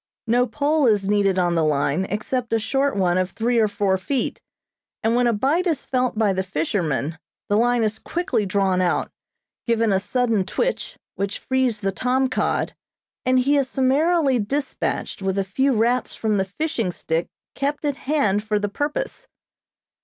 No pole is needed on the line except a short one of three or four feet, and when a bite is felt by the fisherman, the line is quickly drawn out, given a sudden twitch, which frees the tom cod, and he is summarily dispatched with a few raps from the fishing stick kept at hand for the purpose.